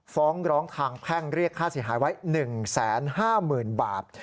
ฟ้องร้องทางแพ่งเรียกค่าเสียหายไว้๑๕๐๐๐๐บาท